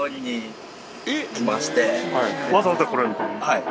はい。